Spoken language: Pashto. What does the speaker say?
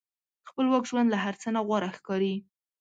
خپلواک ژوند له هر څه نه غوره ښکاري.